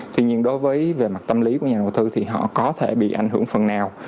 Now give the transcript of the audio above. tuy nhiên đối với về mặt tâm lý của nhà đầu tư thì họ có thể bị ảnh hưởng phần nào